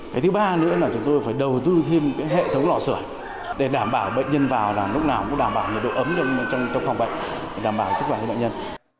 cái thứ ba nữa là chúng tôi phải đầu tư thêm hệ thống lọ sửa để đảm bảo bệnh nhân vào lúc nào cũng đảm bảo nhiệt độ ấm trong phòng bệnh đảm bảo sức khỏe cho bệnh nhân